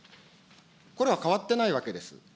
これは変わってないわけです。